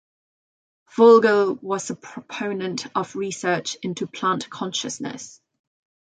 Vogel was a proponent of research into plant consciousness.